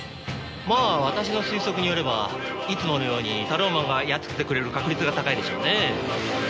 まあ私の推測によればいつものようにタローマンがやっつけてくれる確率が高いでしょうね。